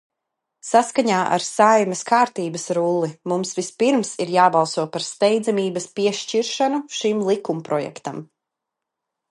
Saskaņā ar Saeimas kārtības rulli mums vispirms ir jābalso par steidzamības piešķiršanu šim likumprojektam.